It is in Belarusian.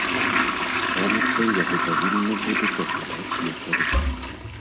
Раніцай яго павінны будуць аглядаць лекары.